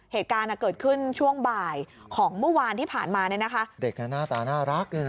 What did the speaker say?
เหตุการณ์เกิดขึ้นช่วงบ่ายของเมื่อวานที่ผ่านมาเนี่ยนะคะเด็กหน้าตาน่ารัก